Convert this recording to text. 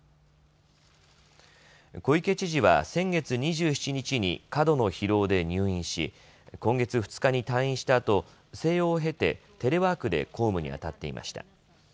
小池知事は先月２７日に過度の疲労で入院し今月２日に退院したあと静養を経てテレワークで公務にあたっていました。